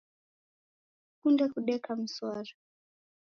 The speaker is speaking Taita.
Sikunde kudeka mswara.